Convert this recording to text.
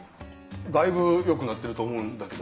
だいぶよくなってると思うんだけど。